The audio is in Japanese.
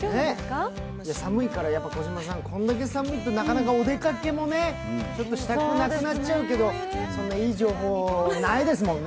寒いからこれだけ寒いとなかなかお出かけもしたくなくなっちゃうけどそんないい情報ないですもんね